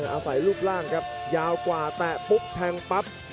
อาศัยรูปร่างครับยาวกว่าแตะปุ๊บแทงปั๊บ